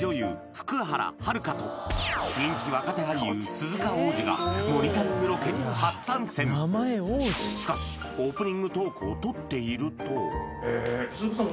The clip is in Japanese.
福原遥と人気若手俳優鈴鹿央士がしかしオープニングトークを撮っていると鈴鹿さん